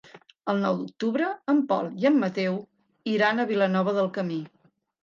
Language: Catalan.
El nou d'octubre en Pol i en Mateu iran a Vilanova del Camí.